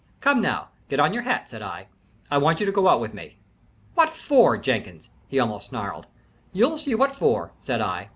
"Come now, get on your hat," said I. "I want you to go out with me." "What for, Jenkins?" he almost snarled. "You'll see what for," said I.